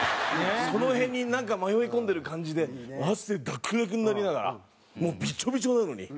その辺に迷い込んでる感じで汗だくだくになりながらもうビチョビチョなのに。